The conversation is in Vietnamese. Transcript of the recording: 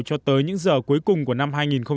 cho tới những giờ cuối cùng của năm hai nghìn một mươi bảy